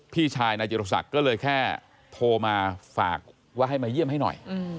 พี่ชายนายจิรศักดิ์ก็เลยแค่โทรมาฝากว่าให้มาเยี่ยมให้หน่อย